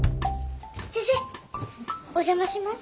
先生お邪魔します。